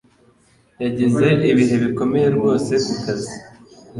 Yagize ibihe bikomeye rwose kukazi